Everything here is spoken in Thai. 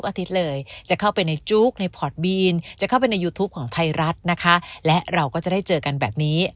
อาทิตย์เลยจะเข้าไปในจุ๊กในพอร์ตบีนจะเข้าไปในยูทูปของไทยรัฐนะคะและเราก็จะได้เจอกันแบบนี้